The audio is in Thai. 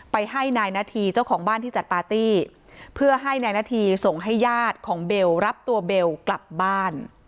ให้นายนาธีเจ้าของบ้านที่จัดปาร์ตี้เพื่อให้นายนาธีส่งให้ญาติของเบลรับตัวเบลกลับบ้าน